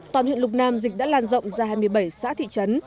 toàn huyện lục nam dịch đã lan rộng ra hai mươi bảy xã thị trấn